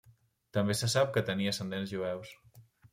També se sap que tenia ascendents jueus.